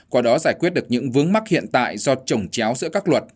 qua đó giải quyết được những vướng mắc hiện tại do trồng chéo giữa các luật